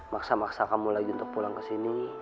maksa maksa kamu lagi untuk pulang kesini